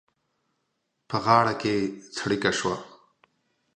په غاړه کې څړيکه شوه.